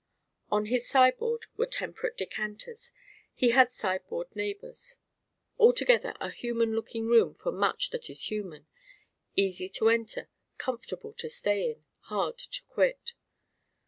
On his sideboard were temperate decanters: he had sideboard neighbors. Altogether a human looking room for much that is human; easy to enter, comfortable to stay in, hard to quit.